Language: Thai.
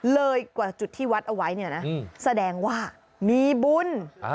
เลยกว่าจุดที่วัดเอาไว้เนี่ยนะแสดงว่ามีบุญ